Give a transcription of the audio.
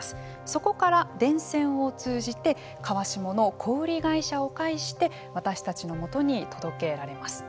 そこから電線を通じて川下の小売り会社を介して私たちのもとに届けられます。